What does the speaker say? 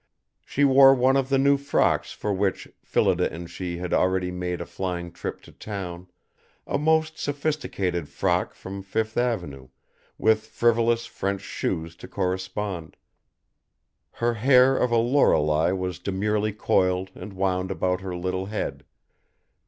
She wore one of the new frocks for which Phillida and she had already made a flying trip to town; a most sophisticated frock from Fifth Avenue, with frivolous French shoes to correspond. Her hair of a Lorelei was demurely coiled and wound about her little head.